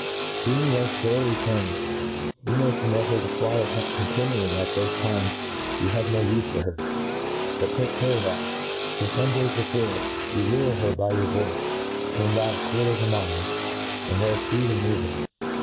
Being thus thoroughly trained, you may per ^ mit her to fly at heck continually at thofe times you have no ufe for her.' ButtaJ:e care that, for fome days before, you lure her by your voice from about a quarter of a mile, and there feed and leave her.